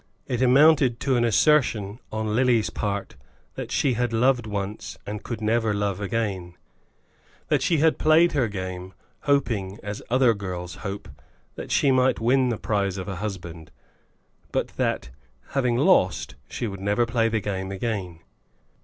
It amounted to an assertion on Lily's part that she had loved once and could never love again; that she had played her game, hoping, as other girls hope, that she might win the prize of a husband; but that, having lost, she could never play the game again.